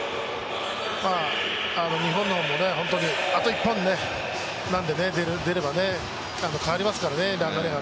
日本の方もあと１本出れば変わりますからね、流れが。